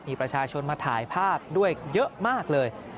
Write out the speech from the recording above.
มีประชาชนมาถ่ายภาพด้วยเยอะมากเลย